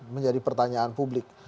menjadi pertanyaan publik